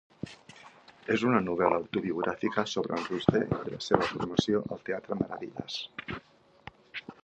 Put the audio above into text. És una novel·la autobiogràfica sobre en Roger i la seva formació al teatre Maravillas.